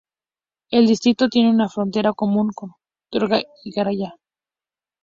El distrito tiene una frontera común con Uttarakhand y Haryana.